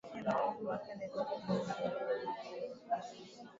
ya maumivu makali ya ghafla acute pain kwenye maumivu makali ya